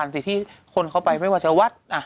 ทีที่คนเขาไปไม่ว่าจะวัด